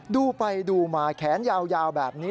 ดูไปดูมาแขนยาวแบบนี้